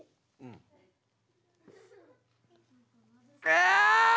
あ！